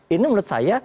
ini menurut saya